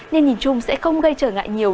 nên nhìn chung sẽ không gây trở ngại nhiều